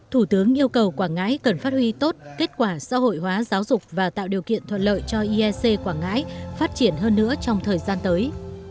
thủ tướng yêu cầu quảng ngãi cần phát huy tốt kết quả xã hội hóa giáo dục và tạo điều kiện thuận lợi cho iec quảng ngãi phát triển hơn nữa trong thời gian tới